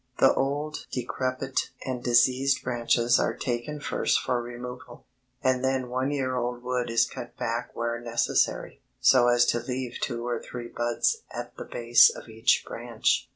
The old decrepit and diseased branches are taken first for removal, and then one year old wood is cut back where necessary, so as to leave two or three buds at the base of each branch.